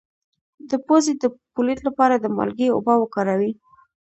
د پوزې د پولیت لپاره د مالګې اوبه وکاروئ